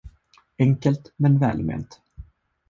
Enkelt, men välment!